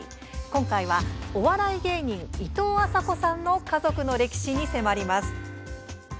今回は、お笑い芸人いとうあさこさんの家族の歴史に迫ります。